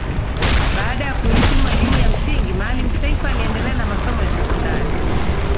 Baada ya kuhitimu elimu ya msingi Maalim Seif aliendelea na masomo ya sekondari